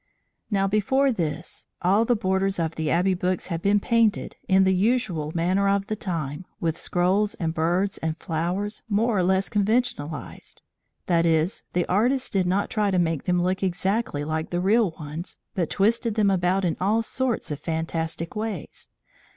Now before this, all the borders of the Abbey books had been painted, in the usual manner of the time, with scrolls and birds and flowers more or less conventionalized; that is, the artists did not try to make them look exactly like the real ones, but twisted them about in all sorts of fantastic ways.